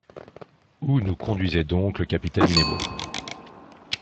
Où nous conduisait donc le capitaine Nemo ?